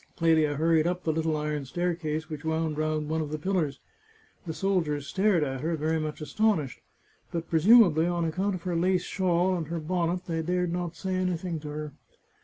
Clelia hurried up the little iron staircase which wound round one of the pillars; the soldiers stared at her, very much astonished, but presumably on account of her lace shawl, and her bonnet, they dared not say anything to her.